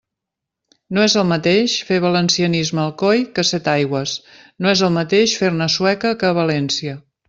No és el mateix fer valencianisme a Alcoi que a Setaigües, no és el mateix fer-ne a Sueca que a València.